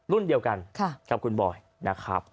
รุ่นเดียวกันกับคุณบอยนะครับ